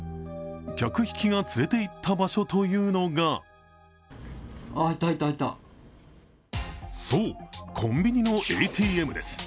客引きが連れていった場所というのがそう、コンビニのＡＴＭです。